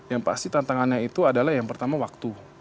yang pasti tantangannya itu adalah yang pertama waktu